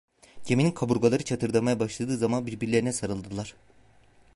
Geminin kaburgaları çatırdamaya başladığı zaman, birbirlerine sarıldılar.